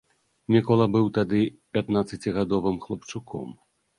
Мікола быў тады пятнаццацігадовым хлапчуком.